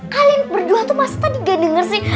kalian berdua tuh masa tadi gak denger sih